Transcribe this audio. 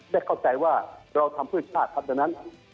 ได้เข้าใจว่าเราทำผลิตชาติคราศหน่อยนั้น